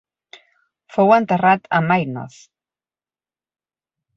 Fou enterrat a Maynooth.